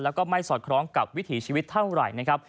แล้วก็ไม่สอดคล้องกับวิถีชีวิตเท่าไหร่นะครับ